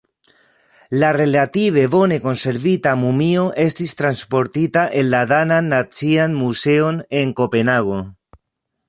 La relative bone konservita mumio estis transportita en la danan nacian muzeon en Kopenhago.